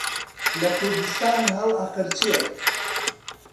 لە کوردستان هەڵئەقرچێ